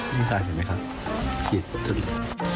นี่ค่ะเห็นไหมคะฉีดทุกสัตว์